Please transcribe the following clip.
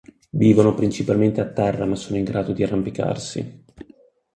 Vivono principalmente a terra ma sono in grado di arrampicarsi.